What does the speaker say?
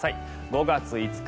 ５月５日